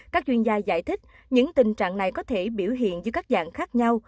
các chuyên gia giải thích những tình trạng này có thể biểu hiện dưới các dạng khác nhau